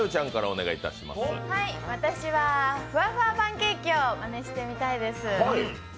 私はふわふわパンケーキをマネしてみたいです。